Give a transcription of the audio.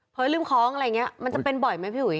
ลืมคล้องอะไรอย่างนี้มันจะเป็นบ่อยไหมพี่หุย